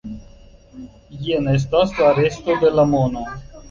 Jen estas la resto de la mono.